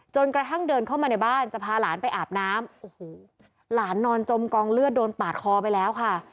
จนกระทั่งเดินเข้ามาในบ้านจะพาหลานไปอาบน้ำโอ้โหหลานนอนจมกองเลือดโดนปาดคอไปแล้วค่ะ